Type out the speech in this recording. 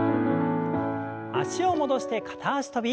脚を戻して片脚跳び。